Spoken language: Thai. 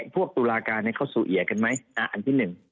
พวกตุลาการเขาสุเหยะกันไหมอันที่หนึ่ง